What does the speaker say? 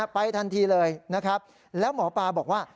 ทันทีเลยนะครับแล้วหมอปลาบอกว่า